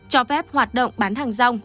cho phép hoạt động bán hàng rong